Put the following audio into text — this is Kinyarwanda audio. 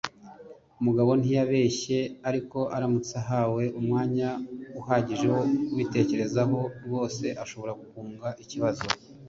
Mugabo ntiyabeshya, ariko aramutse ahawe umwanya uhagije wo kubitekerezaho, rwose ashobora guhunga ikibazo.